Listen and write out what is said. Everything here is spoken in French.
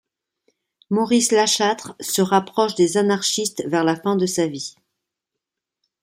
Maurice Lachâtre se rapproche des anarchistes vers la fin de sa vie.